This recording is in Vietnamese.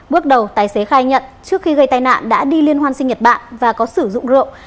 bước đầu tài xế khai nhận trước khi gây tai nạn đã đi liên hoan sinh nhật bản và có sử dụng rượu